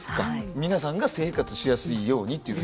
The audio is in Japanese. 皆さんが生活しやすいようにっていうの。